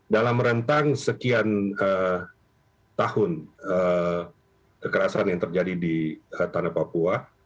dalam rentang sekian tahun kekerasan yang terjadi di tanah papua